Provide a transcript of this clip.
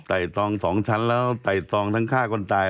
ไต่ตองสองชั้นแล้วไต่ตองทั้งฆ่าก่อนตาย